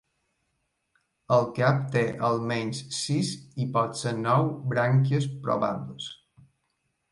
El cap te al menys sis i potser nou brànquies probables.